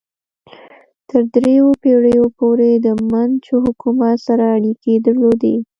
تر دریو پیړیو پورې د منچو حکومت سره اړیکې درلودې.